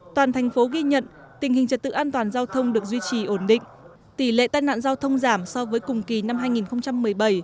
toàn thành phố ghi nhận tình hình trật tự an toàn giao thông được duy trì ổn định tỷ lệ tai nạn giao thông giảm so với cùng kỳ năm hai nghìn một mươi bảy